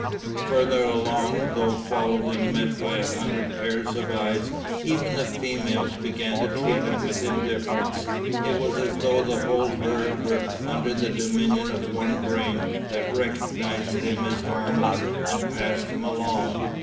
Further along, though followed and met by a hundred pairs of eyes, even the females began to treat him with indifference. It was as though the whole herd were under the dominion of one brain that recognized him as harmless and passed him along.